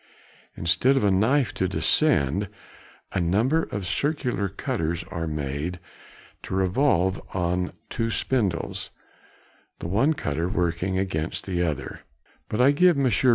Instead of a knife to descend, a number of circular cutters are made to revolve on two spindles, the one cutter working against the other (see woodcut); but I give Messrs.